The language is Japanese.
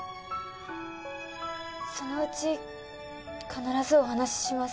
そのうち必ずお話しします